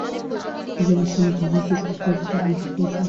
এইজন্যই সে মৃত্যুঞ্জয়কে শোক করিতে নিষেধ করিয়াছিল বটে!